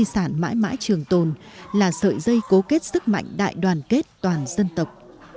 góp phần để di sản mãi trường tồn là sợi dây cố kết sức mạnh đại đoàn kết toàn dân tộc